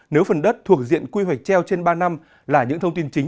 nếu phần đất thuộc diện quy hoạch treo trên ba năm là những thông tin chính